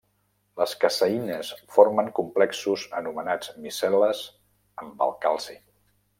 Les caseïnes formen complexos anomenats micel·les amb el calci.